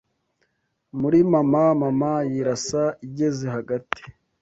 muri Mama Mama yirasa igeze hagati